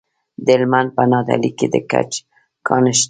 د هلمند په نادعلي کې د ګچ کان شته.